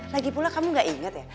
lagi pula kamu gak inget ya